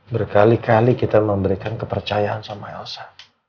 berkali kali kita memberikan kepercayaan sama elsa